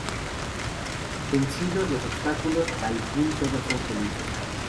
Vencidos los obstáculos, al fin todos son felices.